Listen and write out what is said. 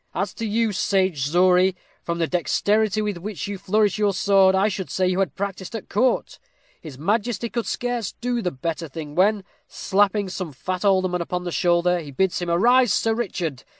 As to you, sage Zory, from the dexterity with which you flourish your sword, I should say you had practised at court. His majesty could scarce do the thing better, when, slapping some fat alderman upon the shoulder, he bids him arise Sir Richard.